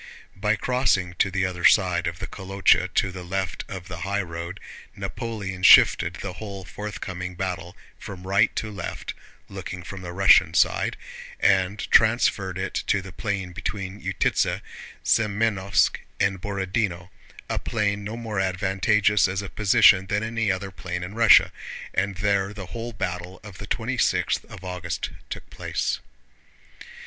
By crossing to the other side of the Kolochá to the left of the highroad, Napoleon shifted the whole forthcoming battle from right to left (looking from the Russian side) and transferred it to the plain between Utítsa, Semënovsk, and Borodinó—a plain no more advantageous as a position than any other plain in Russia—and there the whole battle of the twenty sixth of August took place.